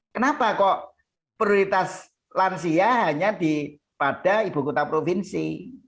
kenapa kok prioritas lansia hanya pada ibu kota provinsi